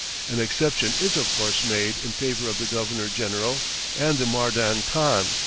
An exception is of course made in favor of the Governor General and Mardan Khan.